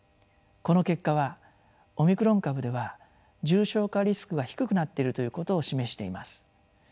この結果はオミクロン株では重症化リスクが低くなっているということ示しています。